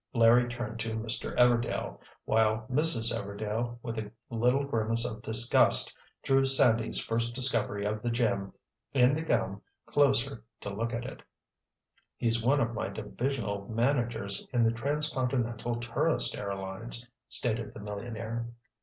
Larry turned to Mr. Everdail, while Mrs. Everdail with a little grimace of disgust, drew Sandy's first discovery of the gem in the gum closer to look at. "He's one of my divisional managers in the transcontinental tourist airlines," stated the millionaire.